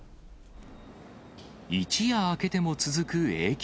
一夜明けても続く影響。